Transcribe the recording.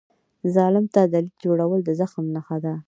ظالم ته دلیل جوړول د زخم نښه ده.